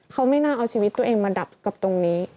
เขาไม่น่าเอาชีวิตตัวเองมาดับกับตรงนี้